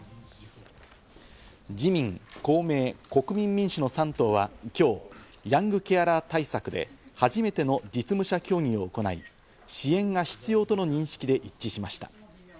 自民・公明・国民民主の３党は今日、ヤングケアラー対策で初めての実務者協議を行い、支援が必要との認識で一致しました。